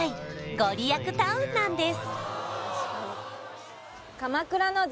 ご利益タウンなんです